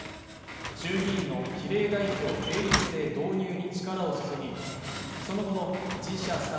衆議院の比例代表並立制導入に力を注ぎ、その後の自社さ